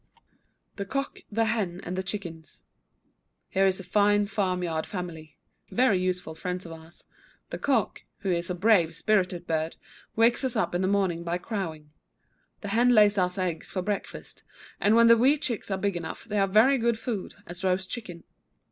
THE COCK, THE HEN, AND THE CHICKENS. Here is a fine farm yard family! very useful friends of ours. The cock, who is a brave, spirited bird, wakes us up in the morning by crowing; the hen lays us eggs for breakfast, and when the wee chicks are big enough, they are very good food, as roast chicken.